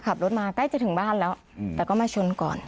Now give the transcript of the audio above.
ขับรถมาใกล้จะถึงบ้านแล้วแต่ก็มาชนก่อน